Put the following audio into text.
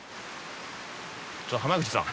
ちょっと濱口さん。